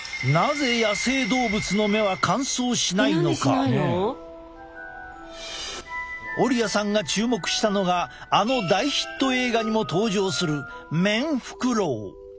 え何でしないの？オリアさんが注目したのがあの大ヒット映画にも登場するメンフクロウ。